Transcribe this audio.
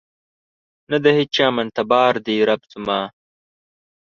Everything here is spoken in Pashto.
نه د هیچا منتبار دی رب زما